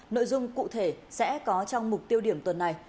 nội dung cụ thể sẽ có trong mục tiêu điểm tuần này